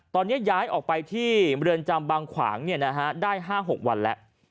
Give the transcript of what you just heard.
ตอนนี้ย้ายออกไปที่เมืองจำบางขวางได้๕๖วันแล้ว